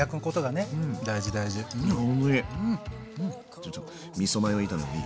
じゃちょっとみそマヨ炒めもいい？